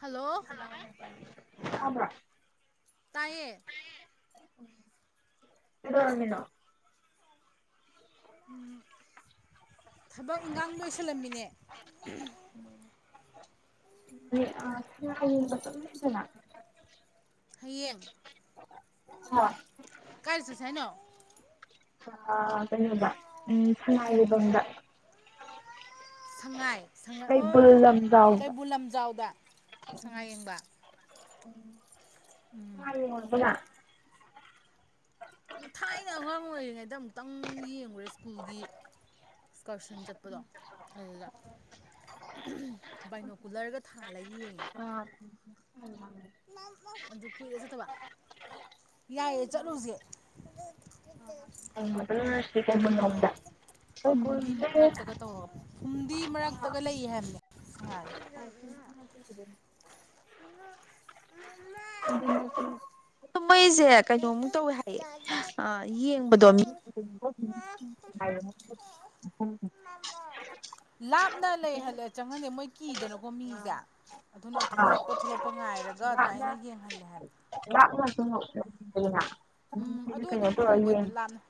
hello ꯇꯥꯕ꯭ꯔ ꯇꯥꯏꯌꯦ ꯀꯩꯗꯧꯔꯝꯃꯤꯅꯣ ꯎꯝ ꯊꯕꯛ ꯏꯟꯈꯥꯡ ꯂꯣꯏꯁꯤꯜꯂꯝꯃꯤꯅꯦ ꯑꯥ ꯍꯌꯦꯡꯒ ꯆꯠꯂꯨꯁꯤꯗꯅ ꯍꯥꯌꯦꯡ ꯀꯥꯏ ꯆꯠꯁꯦ ꯍꯥꯏꯅꯣ ꯑꯥ ꯀꯩꯅꯣꯗ ꯎꯝ ꯁꯥꯉꯥꯏ ꯂꯩꯕꯝꯗ ꯁꯉꯥꯏ ꯁꯉꯥꯏ ꯑꯣ ꯀꯩꯕꯨꯜ ꯂꯝꯖꯥꯎꯗ ꯁꯉꯥꯏ ꯌꯦꯡꯕ ꯅꯪ ꯎꯝ ꯍꯥꯟꯅ ꯌꯦꯡꯉꯨꯔꯕꯣ ꯊꯥꯏꯅ ꯑꯉꯥꯡ ꯑꯣꯏꯔꯤꯉꯩꯗ ꯑꯃꯨꯛꯇꯪ ꯌꯦꯡꯉꯨꯔꯦ ꯁ꯭ꯀꯨꯜꯒꯤ ꯑꯁꯀꯔꯁꯟ ꯆꯠꯄꯗꯣ ꯑꯗꯨꯗ ꯕꯥꯏꯅꯣꯀꯨꯂꯔꯒ ꯊꯥꯜꯂꯒ ꯌꯦꯡꯕ ꯑꯥ ꯑꯗꯨ ꯀꯨꯏꯔꯦ ꯆꯠꯇꯕ ꯌꯥꯏꯌꯦ ꯆꯠꯂꯨꯁꯦ ꯍꯌꯦꯡ ꯑꯣꯏ ꯆꯠꯂꯨꯔꯁꯦ ꯀꯩꯕꯨꯜꯂꯣꯝꯗ ꯐꯝꯗꯤ ꯀꯩꯕꯨꯜꯁꯦ ꯃꯔꯛꯇꯒ ꯇꯧꯔꯒ ꯐꯨꯝꯗꯤ ꯃꯔꯛꯇꯒ ꯂꯩ ꯍꯥꯏꯕꯅꯦ ꯁꯉꯥꯏꯗꯣ [inaudible] ꯃꯩꯁꯦ ꯀꯩꯅꯣꯃꯨꯛ ꯇꯧꯋꯦ ꯍꯥꯏꯌꯦ ꯑꯥ ꯌꯦꯡꯕꯗꯣ ꯃꯤ ꯎꯝ ꯂꯥꯞꯅ ꯂꯩꯍꯜꯂꯦ ꯆꯪꯍꯟꯗꯦ ꯃꯣꯏ ꯀꯤꯗꯅꯀꯣ ꯃꯤꯁꯦ ꯑꯗꯨꯅ ꯊꯣꯛꯂꯛꯄ ꯊꯣꯛꯂꯛꯄ ꯉꯥꯏꯔꯒ ꯑꯗꯨꯃꯥꯏꯅ ꯌꯦꯡꯍꯜꯂꯦ ꯍꯥꯏꯕꯅꯦ [inaudible] ꯎꯝ ꯑꯗꯨ ꯑꯗꯨꯝ ꯎꯕꯅꯤꯗ ꯂꯥꯞꯅ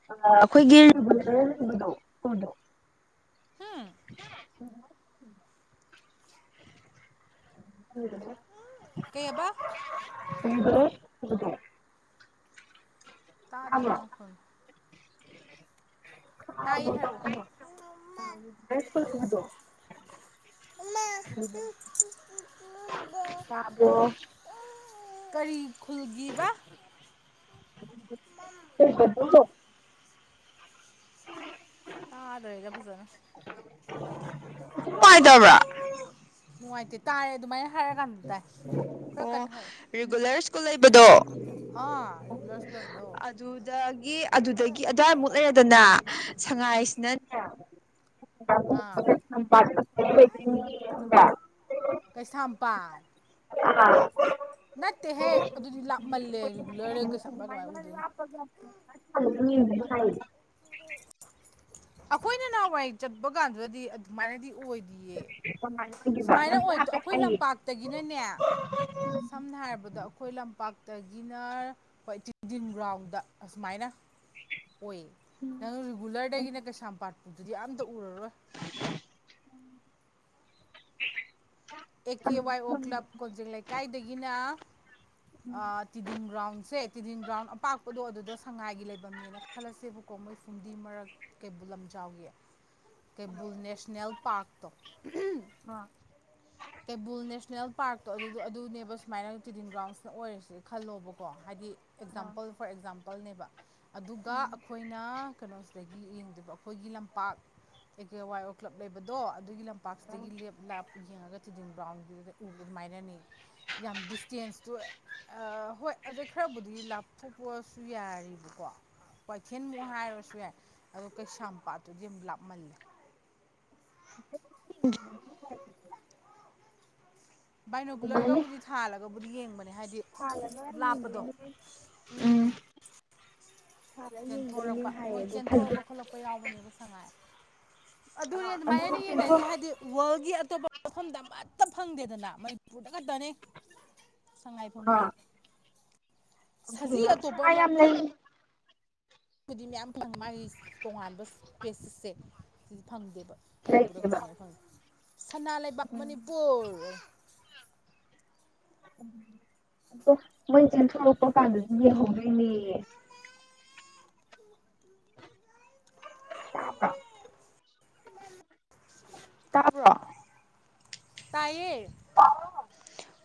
[inaudible] ꯍꯝ [inaudible] [inaudible] ꯀꯩꯕ [inaudible] ꯇꯥꯗ꯭ꯔꯦ ꯅꯪ ꯅꯈꯣꯜꯗꯣ ꯍꯥꯏꯔꯛꯑꯣ ꯍꯥꯏꯕꯖꯨ ꯇꯥꯗ꯭ꯔꯦ ꯎꯝ ꯇꯥꯕ꯭ꯔꯣ ꯀꯔꯤ ꯈꯨꯜꯒꯤꯕ ꯇꯥꯗ꯭ꯔꯦꯗ ꯐꯖꯅ ꯑꯁꯤ ꯇꯥꯗꯕ꯭ꯔꯥ ꯅꯨꯡꯉꯥꯏꯇꯦ ꯇꯥꯔꯦ ꯑꯗꯨꯃꯥꯏꯅ ꯍꯥꯏꯔ ꯀꯥꯟꯗ ꯇꯥꯏ ꯈꯔ ꯑꯣ ꯀꯟꯅ ꯍꯥꯏꯔꯛꯑꯣ ꯔꯤꯒꯨꯂꯔ ꯁ꯭ꯀꯨꯜ ꯂꯩꯕꯗꯣ ꯑꯥ ꯔꯤꯒꯨꯂꯔ ꯁ꯭ꯀꯨꯜ ꯍꯥꯏꯕꯗꯣ ꯑꯗꯨꯗꯒꯤ ꯑꯗꯨꯗꯒꯤ ꯑꯗꯨꯋꯥꯏꯃꯨꯛ ꯂꯩꯔꯗꯅ ꯁꯉꯥꯏꯁꯤꯅꯅꯦ ꯑꯥ [inaudible] ꯀꯩꯁꯥꯝꯄꯥꯠ ꯑꯥ ꯅꯠꯇꯦꯍꯦ ꯑꯗꯨꯗꯤ ꯂꯥꯞꯃꯜꯂꯦ ꯔꯤꯒꯨꯂꯔꯗꯒꯤ ꯀꯩꯁꯥꯝ [inaudible] ꯑꯩꯈꯣꯏꯅ ꯅꯍꯥꯟꯋꯥꯏ ꯆꯠꯄ ꯀꯥꯟꯗꯨꯗꯗꯤ ꯑꯗꯨꯃꯥꯏꯅꯗꯤ ꯑꯣꯏꯗꯤꯌꯦ ꯁꯨꯃꯥꯏꯅ ꯑꯣꯏ ꯇꯣ ꯑꯩꯈꯣꯏ ꯂꯝꯄꯥꯛꯇꯒꯤꯅꯅꯦ ꯁꯝꯅ ꯍꯥꯏꯔꯕꯗ ꯑꯩꯈꯣꯏ ꯂꯝꯄꯥꯛ ꯗꯒꯤꯅ ꯑꯩꯣꯏ ꯇꯤꯟꯗꯤꯟ ꯒ꯭ꯔꯥꯎꯟꯗ ꯑꯁꯨꯃꯥꯏꯅ ꯑꯣꯏꯌꯦ ꯅꯪ ꯔꯤꯒꯨꯂꯔꯗꯒꯤꯅ ꯀꯩꯁꯥꯝꯄꯥꯠꯄꯗꯨꯗꯤ ꯑꯝꯇ ꯎꯔꯔꯣꯏ ꯎꯝ ꯑꯦ ꯀꯦ ꯋꯥꯏ ꯑꯣ ꯀ꯭ꯂꯕ ꯀꯣꯟꯖꯤꯡ ꯂꯩꯀꯥꯏꯗꯒꯤꯅ ꯑ ꯇꯤꯗꯤ ꯒ꯭ꯔꯥꯎꯟꯁꯦ ꯇꯤꯟꯊꯤꯟ ꯒ꯭ꯔꯥꯎꯟ ꯑꯄꯥꯛꯄꯗꯣ ꯑꯗꯨꯗ ꯁꯉꯥꯏꯒꯤ ꯂꯩꯐꯝꯝꯅꯦꯅ ꯈꯜꯂꯁꯦꯕꯀꯣ ꯃꯣꯏ ꯐꯨꯝꯗꯤ ꯃꯔꯛ ꯀꯩꯕꯨꯜ ꯂꯝꯖꯥꯎꯒꯤ ꯀꯩꯕꯨꯜ ꯅꯦꯁꯅꯦꯜ ꯄꯥꯔꯛꯇꯣ ꯀꯩꯕꯨꯜ ꯅꯦꯁꯅꯦꯜ ꯄꯥꯔꯛꯇꯣ ꯑꯗꯨꯗꯣ ꯑꯗꯨꯅꯦꯕ ꯁꯨꯃꯥꯏꯅ ꯇꯤꯗꯤꯡ ꯒ꯭ꯔꯥꯎꯟꯁꯤꯅ ꯑꯣꯏꯔꯁꯤꯦ ꯈꯜꯂꯣꯕꯀꯣ ꯍꯥꯏꯗꯤ ꯑꯦꯛꯖꯥꯝꯄꯜ ꯐꯣꯔ ꯑꯦꯛꯖꯥꯝꯄꯜꯅꯦꯕ ꯑꯗꯨꯒ ꯑꯩꯈꯣꯏꯅ ꯀꯩꯅꯣ ꯑꯗꯒꯤ ꯌꯦꯡꯗꯕ ꯑꯩꯈꯣꯏꯒꯤ ꯂꯝꯄꯥꯛ ꯑꯩꯈꯣꯏ ꯋꯥꯏ ꯑꯣꯔ ꯀ꯭ꯂꯕ ꯂꯩꯕꯗꯣ ꯑꯗꯨꯒꯤ ꯂꯝꯄꯥꯛ ꯄꯥꯛꯁꯇꯒꯤ ꯂꯞ ꯆꯤꯗꯤꯝ ꯕ꯭ꯔꯥꯎꯟꯒꯤꯗ ꯎꯕ ꯑꯗꯨꯃꯥꯏꯅꯅꯤ ꯌꯥꯝ ꯗꯤꯁꯇꯦꯟꯁꯇꯣ ꯍꯣꯏ ꯑꯗꯩ ꯈꯔ ꯈꯕꯨꯗꯤ ꯂꯥꯞꯊꯣꯛꯄꯁꯨ ꯌꯥꯔꯤꯕꯀꯣ ꯀꯏꯊꯦꯜꯃꯨꯛ ꯍꯥꯏꯔꯁꯨ ꯌꯥꯏ ꯑꯗꯣ ꯀꯩꯁꯥꯝꯄꯥꯠꯇꯨꯗꯤ ꯌꯥꯝ ꯂꯥꯞꯃꯜꯂꯦ ꯎ ꯕꯥꯏꯅꯣꯒꯨꯂꯔꯒꯕꯨꯗꯤ ꯊꯥꯜꯂꯒꯕꯨꯗꯤ ꯌꯦꯡꯕꯅꯤ ꯍꯥꯏꯗꯤ ꯂꯥꯞꯄꯗꯣ ꯎꯝ ꯆꯦꯟꯊꯣꯔꯛꯄ ꯃꯣꯏ ꯆꯦꯟꯊꯣꯔꯛꯄ ꯈꯣꯠꯂꯛꯄ ꯌꯥꯎꯕꯅꯦꯕ ꯁꯉꯥꯏ [inaudible] ꯑꯗꯨꯅꯤ ꯑꯗꯨꯃꯥꯏꯅ ꯑꯩꯅ ꯌꯦꯡꯅꯔꯤꯁꯦ ꯍꯥꯏꯗꯤ ꯋꯥꯔꯜꯒꯤ ꯑꯇꯣꯞꯄ ꯃꯐꯝꯗ ꯑꯃꯠꯇ ꯐꯪꯗꯦꯗꯅ ꯃꯅꯤꯄꯨꯔꯗ ꯈꯛꯇꯅꯤ ꯁꯉꯥꯏꯐꯝꯁꯦ ꯁꯖꯤ ꯑꯇꯣꯞꯄ ꯑꯃ ꯕꯨꯗꯤ ꯃꯌꯥꯝ ꯐꯪꯉꯦ ꯃꯥꯒꯤ ꯇꯣꯉꯥꯟꯕ ꯏꯁꯄꯦꯁꯦꯁꯁꯦ ꯁꯤ ꯐꯪꯗꯦꯕ ꯃꯅꯤꯄꯨꯔꯗ ꯈꯛꯇꯅꯦ ꯐꯪꯉꯤ ꯁꯅꯥ ꯂꯩꯕꯥꯛ ꯃꯅꯤꯄꯨꯔ ꯃꯟꯆꯅ ꯊꯔꯄꯣ ꯀ ꯍꯧꯒꯅꯤ ꯑ ꯀ ꯇꯥꯕ꯭ꯔꯣ ꯇꯥꯏꯌꯦ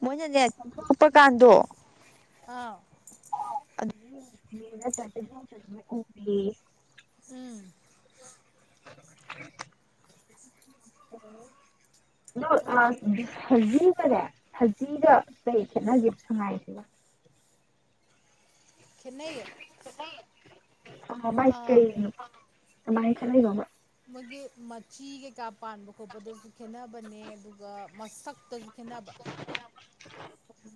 ꯃꯅꯦ ꯆ ꯆꯄ ꯀꯥꯟꯗ ꯑꯥ ꯑꯗꯨ ꯎ ꯎꯝ [unintelligible] ꯅ ꯁꯖꯤꯒꯅꯦ ꯁꯖꯤꯒ ꯀꯩ ꯈꯦꯠꯅꯒꯦ ꯁꯉꯥꯏꯁꯤꯒ [inaudible] ꯈꯦꯠꯅꯩ ꯑ ꯥꯏꯛ ꯀ ꯃꯥꯏ ꯆꯦ ꯂꯩꯕ ꯃꯣꯏꯒꯤ ꯃꯆꯤ ꯀꯩꯀꯥ ꯄꯥꯟꯕ ꯈꯣꯠꯄꯗꯁꯨ ꯈꯦꯅꯕꯅꯦ ꯑꯗꯨꯒ ꯃꯁꯛꯇꯁꯨ ꯈꯦꯠꯅꯕ ꯎ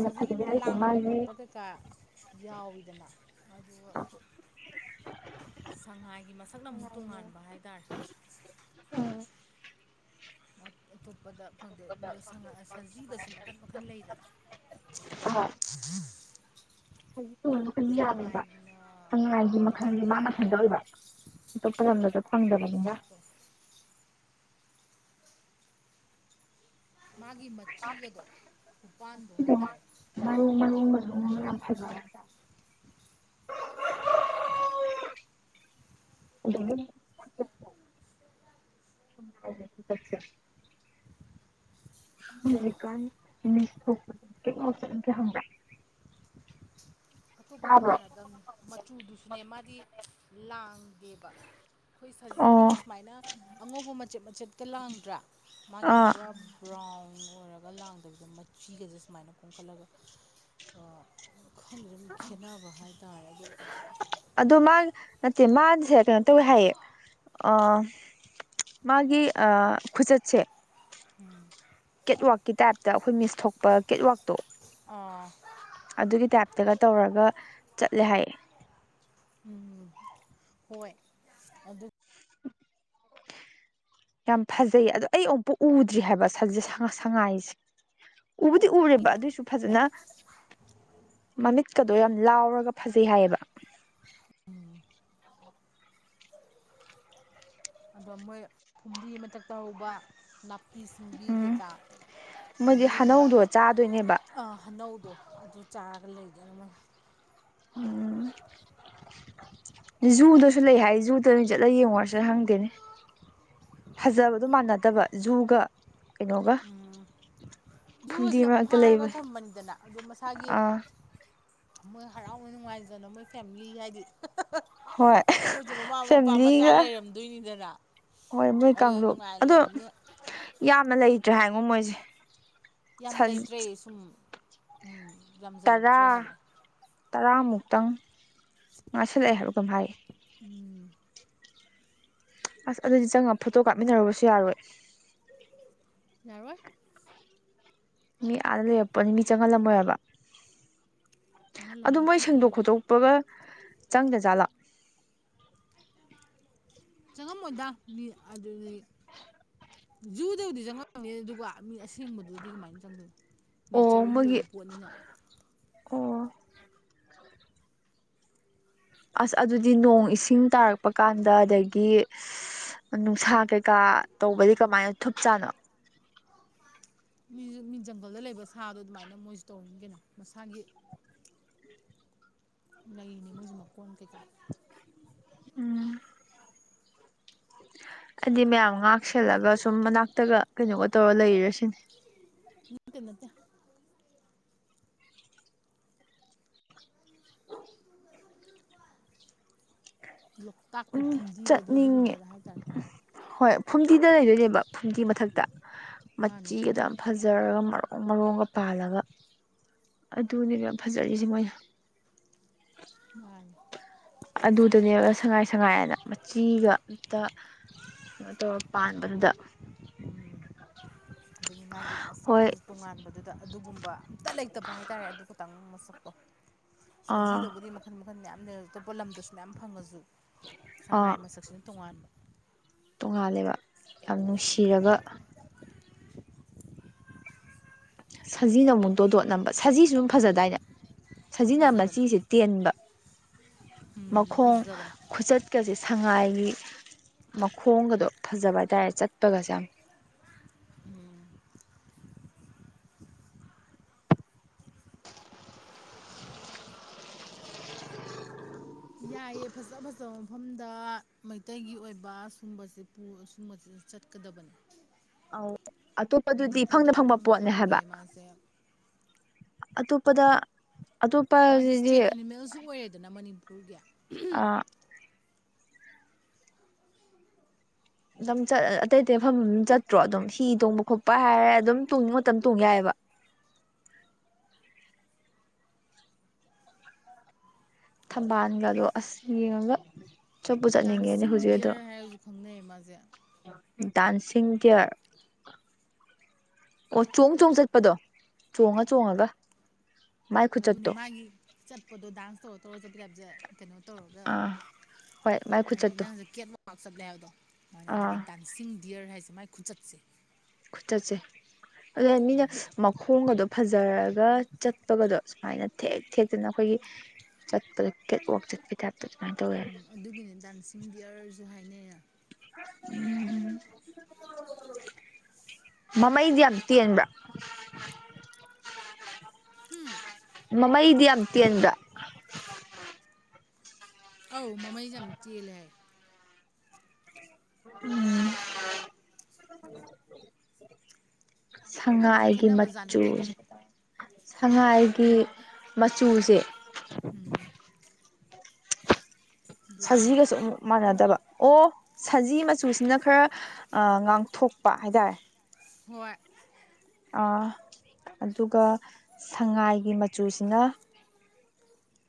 ꯍꯧꯖꯤꯛꯒꯤꯅ ꯂꯥꯡꯕ ꯈꯣꯠꯄ ꯀꯩꯀꯥ ꯌꯥꯎꯋꯤꯗꯅ ꯑꯗꯨꯒ ꯁꯉꯥꯏꯒꯤ ꯃꯁ ꯁꯛꯅ ꯑꯃꯨꯛ ꯇꯣꯉꯥꯟꯕ ꯍꯥꯏꯇꯥꯔꯦ ꯑꯇꯣꯞꯄꯗ ꯐꯪꯗꯦ ꯁꯖꯤꯗꯁꯨ ꯃꯈꯟ ꯃꯈꯟ ꯂꯩꯗꯅ ꯎꯝ ꯉ ꯇꯣꯡ ꯃꯈꯜ ꯌꯥꯝꯃꯦꯕ ꯑꯥꯏꯒꯤ ꯃꯈꯜꯒꯤ ꯃꯥ ꯃꯈꯜꯗ ꯑꯣꯏꯕ ꯇꯣꯞꯄ ꯂꯝꯗ ꯆ ꯊꯪꯗꯕꯅꯤꯒ ꯃꯁꯛꯇꯣ ꯃꯥꯒꯤ ꯃꯆꯤꯒꯗꯣ ꯎꯄꯥꯟꯗꯣ ꯍꯥꯏꯇꯥꯔꯦ ꯌꯥꯝ ꯐꯖ ꯑꯣꯏ ꯑꯣ ꯆꯆ ꯀ ꯃꯁ ꯀ ꯍꯪ ꯑꯇꯨꯞꯄꯒ ꯃꯥꯟꯅꯗꯕꯅꯤ ꯃꯆꯨꯗꯨꯁꯨꯅꯦ ꯃꯥꯗꯤ ꯂꯥꯡꯒꯦꯕ ꯑꯩꯈꯣꯏ ꯑꯣ ꯁꯖꯤꯒꯤꯅ ꯁꯨꯃꯥꯏꯅ ꯑꯉꯧꯕ ꯃꯆꯦꯠ ꯃꯆꯦꯠꯀ ꯂꯥꯡꯗ꯭ꯔꯥ ꯃꯥꯒꯤꯅ ꯑꯥ ꯄꯨꯔꯥ ꯕ꯭ꯔꯥꯎꯟ [unintelligible] [inaudible] ꯈꯦꯠꯅꯕ ꯍꯥꯏꯇꯥꯔꯦ ꯑꯗꯨꯒ ꯑꯗꯣ ꯃꯥ ꯅꯠꯇꯦ ꯃꯥꯁꯦ ꯀꯩꯅꯣ ꯇꯧꯋꯦ ꯍꯥꯏꯌꯦ ꯑ ꯃꯥꯒꯤ ꯑ ꯈꯨꯆꯠꯁꯦ ꯎꯝ ꯀꯦꯠꯋꯥꯛꯀꯤ ꯇꯥꯏꯞꯇ ꯑꯩꯈꯣꯏ ꯃꯤꯁ ꯊꯣꯛꯄ ꯀꯦꯠꯋꯥꯛ ꯇꯣ ꯑꯥ ꯑꯗꯨꯒꯤ ꯇꯥꯏꯞꯇꯒ ꯇꯧꯔꯒ ꯆꯠꯂꯦ ꯍꯥꯏꯌꯦ ꯎꯝ ꯍꯣꯏ ꯑꯗꯨ ꯌꯥꯝ ꯐꯖꯩ ꯑꯗꯣ ꯑꯩ ꯑꯃꯨꯛ ꯎꯗ꯭ꯔꯤ ꯍꯥꯏꯕ ꯁꯉꯥꯏꯁꯦ ꯎꯕꯨꯗꯤ ꯎꯔꯦꯕ ꯑꯗꯨꯏꯁꯨ ꯐꯖꯅ ꯃꯃꯤꯠ ꯠꯀꯗꯣ ꯌꯥꯝ ꯂꯥꯎꯔꯒ ꯐꯖꯩ ꯍꯥꯏꯌꯦꯕ ꯎꯝ [unintelligible] [inaudible] ꯑꯗꯣ ꯃꯣꯏ ꯐꯨꯝꯗꯤ ꯃꯊꯛꯇ ꯍꯧꯕ ꯄꯤꯁꯕꯤ ꯀꯩꯀꯥ ꯃꯣꯏꯗꯤ ꯑꯗꯨꯒꯨꯝꯕ ꯍꯅꯧꯗꯣ ꯆꯥꯗꯣꯏꯅꯦꯕ ꯑꯥ ꯑꯅꯧꯗꯣ ꯑꯗꯨ ꯆꯥꯔꯒ ꯂꯩꯒꯦꯅ ꯎꯝ [unintelligible] [inaudible] ꯖꯨꯗꯁꯨ ꯂꯩ ꯍꯥꯏ ꯖꯨꯗ ꯅꯣꯏ ꯆꯠꯂ ꯌꯦꯡꯉꯨꯔꯁꯨ ꯍꯪꯗꯦꯅꯦ ꯐꯖꯕꯗꯣ ꯃꯥꯟꯅꯗꯕ ꯖꯨꯒ ꯀꯩꯅꯣꯒ ꯐꯨꯝꯗꯤ ꯖꯨꯁꯅ ꯃꯔꯛꯇ ꯐꯥꯔꯒ ꯂꯩꯕ ꯊꯝꯕꯅꯤꯗꯅ ꯑꯗꯨ ꯃꯁꯥꯒꯤ ꯑꯥ ꯃꯣꯏ ꯍꯔꯥꯎꯏ ꯅꯨꯡꯉꯥꯏꯖꯅ ꯃꯣꯏ ꯐꯦꯃꯤꯂꯤ ꯍꯥꯏꯗꯤ ꯍꯣꯏ ꯃꯣꯏꯁꯨꯦ ꯃꯃꯥ ꯃꯄꯥ ꯃꯆꯥ ꯐꯦꯃꯤꯂꯤꯒ ꯂꯩꯔꯝꯗꯣꯏꯅꯤꯗꯅ ꯍꯣꯏ ꯃꯣꯏ ꯑꯗꯨ ꯀꯥꯡꯂꯨꯞ ꯅꯨꯡꯉꯥꯏ ꯑꯗꯣ ꯂꯩꯕꯅꯤꯅ ꯌꯥꯝꯅ ꯂꯩꯇ꯭ꯔꯦ ꯍꯥꯏꯉꯣ ꯃꯣꯏꯁꯦ ꯌꯥꯝ ꯂꯩꯇ꯭ꯔꯦ ꯁꯨꯝ ꯎꯝ ꯇꯔꯥ ꯌꯥꯝꯖꯜꯂꯛꯇ꯭ꯔꯦ ꯍꯥꯏꯕꯅꯦ ꯇꯔꯥꯃꯨꯛꯇꯪ ꯉꯥꯁꯜꯂꯛꯑꯦ ꯍꯥꯏꯕꯗꯨꯝ ꯍꯥꯏ ꯎꯝ ꯑꯁ ꯑꯗꯨꯗꯤ ꯆꯪꯉ ꯐꯣꯇꯣ ꯀꯥꯞꯃꯤꯟꯅꯨꯔꯕꯁꯨ ꯌꯥꯔꯣꯏ ꯅꯔꯋꯥꯔ ꯃꯤ ꯑꯥꯗ ꯂꯩꯔꯛꯄꯅꯤ ꯃꯤ ꯆꯪꯍꯜꯂꯝꯃꯣꯏꯕ ꯑꯗꯨ ꯆꯪꯍꯜꯂꯝꯃꯣꯏ ꯃꯣꯏ ꯁꯦꯡꯗꯣꯛ ꯀꯤ ꯈꯣꯠꯇꯣꯛꯄꯒ ꯆꯪꯗꯖꯥꯠꯂꯥ ꯆꯪꯉꯝꯃꯣꯏꯗ ꯃꯤ ꯑꯗꯨꯗꯤ ꯖꯨꯗꯕꯨꯗꯤ ꯆꯪꯉꯝꯅꯤꯦ ꯑꯗꯨꯒ ꯃꯤ ꯑꯁꯦꯡꯕꯗꯨꯗꯤ ꯀꯃꯥꯏꯅ ꯆꯪꯗꯣꯏꯅꯣ ꯑꯣ ꯅꯦꯆꯔꯒꯤ ꯃꯣꯏꯒꯤ ꯑꯣꯏꯕ ꯄꯣꯠꯅꯤꯅ ꯑꯣ [inaudible] ꯑꯁ ꯑꯗꯨꯗꯤ ꯅꯣꯡ ꯏꯁꯤꯡ ꯇꯥꯔꯛꯄ ꯀꯥꯟꯗ ꯑꯗꯒꯤ ꯅꯨꯡꯁꯥ ꯀꯩꯀꯥ ꯇꯧꯕꯗꯤ ꯀꯃꯥꯏꯅ ꯊꯞ ꯆꯥꯅ ꯃꯤ ꯃꯤ ꯖꯪꯒꯜꯗ ꯂꯩꯕ ꯁꯥꯗꯣ ꯑꯗꯨꯃꯥꯏꯅ ꯃꯣꯏꯁꯨ ꯇꯧꯔꯤꯅꯤ ꯀꯩꯅꯣ ꯃꯁꯥꯒꯤ ꯂꯥꯏꯅꯤ ꯃꯖꯃ ꯀꯣꯟ ꯀꯩ ꯇ ꯎꯝ ꯍꯥꯏꯗꯤ ꯃꯌꯥꯝ ꯉꯥꯛꯁꯦꯜꯂꯒ ꯁꯨꯝ ꯃꯅꯥꯛꯇꯒ ꯀꯩꯅꯣꯒ ꯇꯧꯔ ꯂꯩꯔꯁꯤꯅꯦ ꯅꯅꯨꯡꯇ ꯅꯠꯇ ꯂꯣꯛꯇꯥꯛꯀꯤ ꯎꯝ ꯐꯨꯝꯗꯤꯗꯣ ꯑꯗꯨ ꯆꯠꯅꯤꯡꯉꯦ ꯑꯗꯨꯒꯨꯝꯕꯗ ꯍꯥꯏꯇꯥꯔꯦ ꯍꯣꯏ ꯐꯨꯝꯗꯤꯗ ꯂꯩꯗꯣꯏꯅꯦꯕ ꯐꯨꯝꯗꯤ ꯃꯊꯛꯇ ꯃꯥꯅꯦ ꯃꯆꯤꯒꯗ ꯌꯥꯝ ꯐꯖꯩ ꯐꯖꯔꯒ ꯃꯔꯣꯡ ꯃꯔꯣꯡꯒ ꯄꯥꯜꯂꯒ ꯑꯗꯨꯅꯦꯕ ꯌꯥꯝ ꯐꯖꯔꯤꯁꯦ ꯃꯣꯏꯅ ꯃꯥꯅꯦ ꯑꯗꯨꯗꯅꯦꯕ ꯁꯉꯥꯏ ꯁꯉꯥꯏꯑꯅ ꯃꯆꯤꯒ ꯑꯝꯇ ꯠꯇꯣ ꯄꯥꯟꯕꯗꯨꯗ ꯑꯗꯒꯤ ꯃꯥꯒꯤ ꯍꯣꯏ ꯃꯁꯛꯇꯨ ꯇꯣꯉꯥꯟꯕꯗꯨꯗ ꯑꯗꯨꯒꯨꯝꯕ ꯑꯝꯇ ꯂꯩꯇꯕ ꯍꯥꯏꯇꯥꯔꯦ ꯑꯗꯨ ꯈꯇꯪ ꯃꯁꯛ ꯑꯣ ꯑꯥ ꯁꯖꯤꯗꯕꯨꯗꯤ ꯃꯈꯟ ꯃꯈꯟ ꯃꯌꯥꯝ ꯂꯩ ꯑꯇꯣꯞꯄ ꯂꯝꯗꯁꯨ ꯃꯌꯥꯝ ꯐꯪꯉꯁꯨ ꯁꯉꯥꯏ ꯃꯁꯛꯁꯤꯅ ꯇꯣꯉꯥꯟꯕ ꯇꯣꯉꯥꯜꯂꯦꯕ ꯌꯥꯝ ꯅꯨꯡꯁꯤꯔꯕ ꯁꯖꯤꯅ ꯑꯃꯨꯛ ꯇꯣꯗꯣꯠ ꯅꯝꯕ ꯁꯖꯤꯁꯨ ꯑꯗꯨꯝ ꯐꯖꯗꯥꯏꯅꯦ ꯁꯤꯖꯤꯟꯅ ꯐꯖꯕꯅꯦ ꯃꯆꯤꯁꯦ ꯇꯦꯟꯕ ꯎꯝ ꯃꯈꯣꯡ ꯐꯖꯕꯅꯦ ꯈꯨꯆꯠꯀꯁꯦ ꯁꯉꯥꯏ ꯒꯤ ꯃꯈꯣꯡꯒꯗꯣ ꯐꯖꯕ ꯍꯥꯏꯇꯥꯥꯔꯦ ꯆꯠꯄꯒꯁꯦ ꯌꯥꯝ ꯌꯥꯏꯑ ꯐꯖ ꯐꯖꯕ ꯃꯐꯝꯗ ꯃꯩꯇꯩꯒꯤ ꯑꯣꯏꯕ ꯁꯨꯝꯕꯁꯦ ꯁꯨꯝꯕꯁꯦ ꯆꯠꯀꯗꯕꯅꯤ ꯑ ꯑꯇꯣꯞꯄꯗꯨꯗꯤ ꯐꯪꯅ ꯐꯪꯕ ꯈꯇꯪ ꯄꯣꯠꯅꯦ ꯐꯪꯉꯦ ꯍꯥꯏꯕ ꯃꯥꯁꯦ ꯃꯄꯗ ꯃꯥꯁꯦ ꯏꯁꯇꯦꯠ ꯑꯦꯅꯤꯃꯦꯜꯁꯨ ꯑꯣꯏꯔꯦꯗꯅ ꯃꯅꯤꯄꯨꯔꯒꯤ ꯑꯥ ꯑꯗꯨꯝꯠ ꯑꯇꯩ ꯑꯇꯩ ꯃꯐꯝ ꯆꯠꯇ꯭ꯔꯣ ꯑꯗꯨꯝ ꯍꯤ ꯇꯣꯡꯕ ꯈꯣꯠꯄ ꯍꯥꯏꯔꯦ ꯑꯗꯨꯝ ꯇꯣꯡꯕ ꯃꯇꯝ ꯇꯣꯡ ꯌꯥꯏꯑꯕ [inaudible] ꯊꯝꯕꯥꯜꯒꯗꯣ ꯑꯁ ꯌꯦꯡꯉꯒ ꯆꯠꯄꯨ ꯆꯠꯅꯤꯡꯉꯦꯅꯦ ꯗꯗꯥꯥꯟꯁꯤꯤꯡ ꯍꯧꯖꯤꯛ ꯑꯗꯣ ꯗꯗꯤꯌꯔ ꯍꯥꯏ ꯑꯣꯖꯛ ꯈꯪꯅ ꯃꯥꯖꯦ ꯗꯥꯟꯁꯤꯤꯡ ꯇꯦꯌꯥꯔ ꯑꯣ ꯆꯣꯡ ꯆꯣꯡ ꯆꯠꯄꯗꯣ ꯆꯣꯡꯉ ꯆꯣꯡꯉꯒ ꯃꯥꯏ ꯑꯗꯨꯅ ꯈꯨꯆꯠꯇꯣ ꯃꯥꯒꯤ ꯆꯠꯄꯗꯣ ꯗꯥꯟꯁ ꯇꯧꯔ ꯇꯧꯔ ꯆꯠꯄꯗ ꯍꯥꯏꯕꯁꯦ ꯀꯩꯅꯣ ꯇꯧꯔꯒ ꯑꯥ ꯍꯣꯏ ꯃꯥꯏ ꯍꯥꯏꯗꯤ ꯈꯨꯆꯠꯇꯣ ꯅꯪꯁꯨ ꯀꯦꯠ ꯃ ꯆꯠꯂꯦ ꯍꯥꯏꯕ ꯁꯨꯃꯥꯏꯅ ꯑꯗꯨꯗꯒꯤ ꯑꯥ ꯗꯥꯟꯁꯤꯡ ꯗꯤꯌꯔ ꯍꯥꯏꯁꯦ ꯃꯥꯏ ꯈꯨꯆꯠꯁꯦ ꯈꯨꯆꯠꯁꯦ ꯑꯗꯨ ꯃꯤꯅ ꯃꯈꯣꯡꯒ ꯑꯗꯨꯣ ꯐꯖꯔꯒ ꯆꯠꯄꯒꯗꯣ ꯁꯨꯃꯥꯏꯅ ꯊꯦꯛ ꯊꯦꯛꯇꯅ ꯑꯩꯈꯣꯏꯒꯤ ꯆꯠꯄꯗ ꯀꯦꯠꯋꯥꯛ ꯆꯠꯀꯦ ꯇꯥꯏꯞ ꯎꯝ ꯑꯗꯨꯒꯤꯅꯦ ꯗꯥꯟꯁꯤꯡꯒꯤ ꯗꯌꯥꯔꯁꯨ ꯍꯥꯏꯅꯩꯅ ꯎꯝ ꯃꯃꯩꯗꯤ ꯌꯥꯝ ꯇꯦꯟꯕ꯭ꯔ ꯎꯝ ꯃꯃꯩꯗꯤ ꯌꯥꯝꯝꯇꯦꯟꯗ꯭ꯔ ꯑꯧ ꯃꯃꯩꯁꯦ ꯌꯥꯝ ꯆꯦꯜꯂꯦ ꯍꯥꯏ ꯎꯝ ꯈꯔ ꯑꯗꯨꯝ ꯁꯉꯥꯏꯒꯤ ꯈꯦꯠꯅꯕꯖꯥꯠꯅꯦ ꯃꯆꯨ ꯑꯇꯩꯗꯒꯤ ꯁꯉꯥꯏꯒꯤ ꯃꯆꯨꯁꯦ ꯎꯝ ꯕ꯭ꯔꯥꯎꯟ ꯁꯖꯤꯒꯁꯨ ꯑꯃꯨꯛ ꯃꯥꯟꯅꯗꯕ ꯑꯣ ꯁꯖꯤ ꯃꯆꯨꯁꯤꯅ ꯈꯔ ꯉꯥꯡꯊꯣꯛꯄ ꯍꯥꯏꯇꯥꯔꯦ ꯍꯏ ꯑꯗꯨꯒ ꯁꯉꯥꯏꯒꯤ ꯃꯆꯨꯁꯤꯅ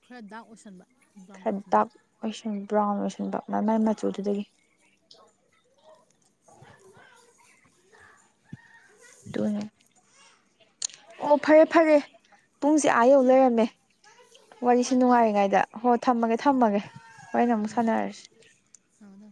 ꯈꯔ ꯗꯥꯛ ꯑꯣꯏꯁꯟꯕ ꯕ꯭ꯔꯥꯎꯟ ꯈ꯭ꯔꯦ ꯗꯞ ꯑꯣꯏꯁꯟꯕ ꯑꯣꯏꯁꯟ ꯄꯨꯔꯥꯝꯁ ꯄ ꯃꯥꯏ ꯃꯆꯨꯁꯤꯗꯒꯤ ꯑꯗꯨꯅꯦ ꯑꯣ ꯐꯔꯦ ꯐꯔꯦ ꯄꯨꯡꯁꯦ ꯑꯥ ꯌꯧ ꯎꯝ ꯂꯩꯔꯝꯃꯦ ꯋꯥꯔꯤꯁꯤꯦ ꯍꯣꯏ ꯍꯣꯏ ꯅꯨꯡꯉꯥꯏꯔꯤꯉꯩꯗ ꯍꯣꯏ ꯊꯝꯃꯒꯦ ꯊꯝꯃꯒꯦ ꯍꯣꯏꯅ ꯎꯝ ꯑꯃꯨꯛ ꯎꯝ ꯁꯥꯟꯅꯔꯁꯤ [inaudible] ꯊꯝꯃꯣ ꯊꯝꯃꯣ